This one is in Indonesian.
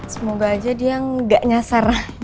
semoga aja dia nggak nyasar